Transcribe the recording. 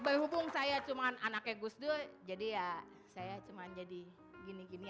baik hubung saya cuma anaknya gus dur jadi ya saya cuma jadi gini gini